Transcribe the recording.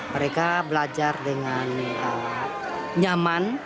mereka belajar dengan nyaman